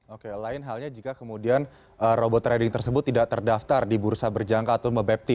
oke lain halnya jika kemudian robot trading tersebut tidak terdaftar di bursa berjangka atau mebepti